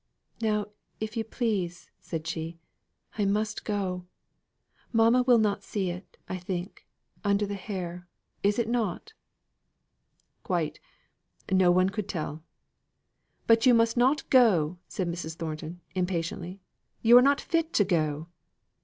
"Now, if you please," said she, "I must go. Mamma will not see it, I think. It is under the hair, is it not?" "Quite; no one could tell." "But you must not go," said Mrs. Thornton, impatiently. "You are not fit to go."